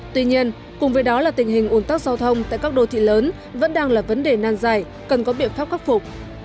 tuy nhiên cùng với đó là tình hình ủn tắc giao thông tại các đô thị lớn vẫn đang là vấn đề nan dài cần có biện pháp khắc phục